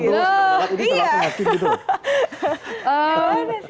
engga andrea udah banyak pertimbangan sih ya